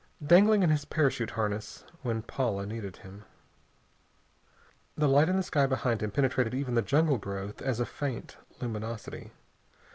Dangling in his parachute harness when Paula needed him. The light in the sky behind him penetrated even the jungle growth as a faint luminosity.